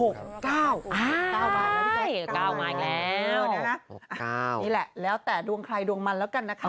๙มาแล้วพี่เจ๊๙มาอีกแล้วนี่แหละแล้วแต่ล้วงใครล้วงมันแล้วกันนะคะ